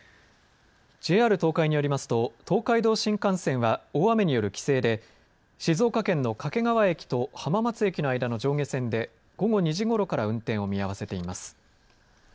ＪＲ東海によりますと東海道新幹線は大雨による規制で静岡県の掛川駅と浜松駅の間の上下線で午後２時ごろから運転を見合わせています。